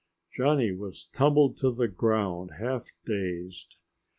Johnny was tumbled to the ground, half dazed.